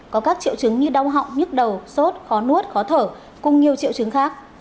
có các triệu chứng như đau họng nhức đầu sốt khó nuốt khó thở cùng nhiều triệu chứng khác